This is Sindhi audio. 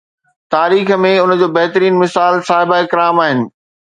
تاريخ ۾ ان جو بهترين مثال صحابه ڪرام آهن.